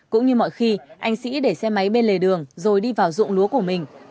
cũng như mọi khi anh sĩ để xe máy bên lề đường rồi đi vào dụng lúa của mình